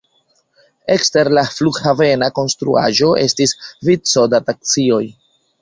Ekster la flughavena konstruaĵo estis vico da taksioj.